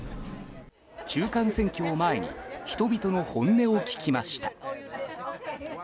中間選挙を前に人々の本音を聞きました。